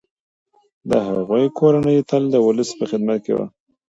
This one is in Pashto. د هغوی کورنۍ تل د ولس په خدمت کي وه.